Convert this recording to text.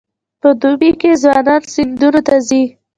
په دوبي کې ځوانان سیندونو ته ځي.